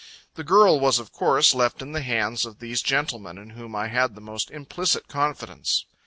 The girl was of course left in the hands of these gentlemen, in whom I had the most implicit confidence.